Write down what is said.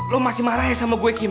lo masih marah ya sama gue kim